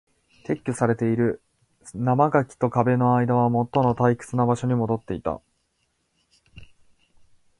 撤去されている。生垣と壁の間はもとの退屈な場所に戻っていた。